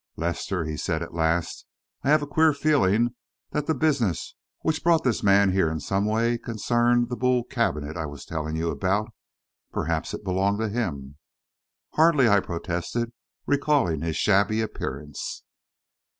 "Lester," he said, at last, "I have a queer feeling that the business which brought this man here in some way concerned the Boule cabinet I was telling you about. Perhaps it belonged to him." "Hardly," I protested, recalling his shabby appearance.